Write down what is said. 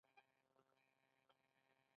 د هېواد مرکز د افغان ځوانانو لپاره دلچسپي لري.